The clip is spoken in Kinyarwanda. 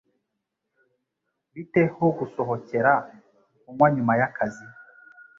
Bite ho gusohokera kunywa nyuma yakazi?